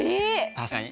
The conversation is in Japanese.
確かに。